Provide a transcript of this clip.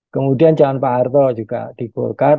kemudian zaman pak harto juga di golkar